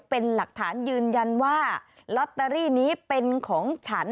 เป็นหลักฐานยืนยันว่าลอตเตอรี่นี้เป็นของฉัน